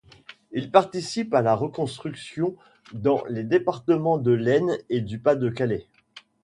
Il participe à la reconstruction dans les départements de l'Aisne et du Pas-de-Calais.